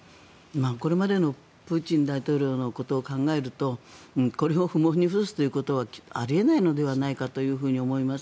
これまでのプーチン大統領のことを考えるとこれを不問に付すということはあり得ないのではないかと思います。